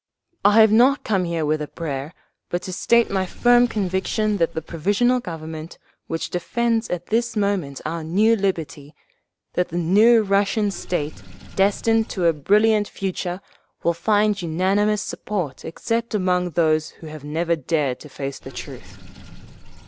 "I have not come here with a prayer, but to state my firm conviction that the Provisional Government, which defends at this moment our new liberty—that the new Russian state, destined to a brilliant future, will find unanimous support except among those who have never dared to face the truth….